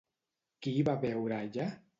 Qui hi va veure allà?